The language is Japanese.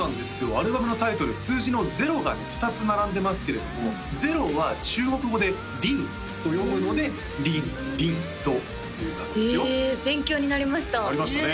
アルバムのタイトル数字の「０」が２つ並んでますけれども「０」は中国語で「リン」と読むので「リンリン」というんだそうですよへえ勉強になりましたなりましたね